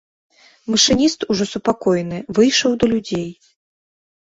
Машыніст, ужо супакоены, выйшаў да людзей.